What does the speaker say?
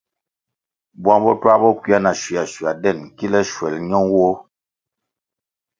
Bwang bo twā bo kwea na shua shua den kile shuel ño nwoh.